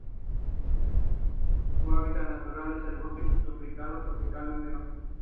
Su hábitat natural es el bosque subtropical o tropical húmedo.